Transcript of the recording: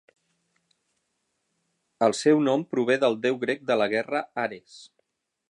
El seu nom prové del deu grec de la guerra Ares.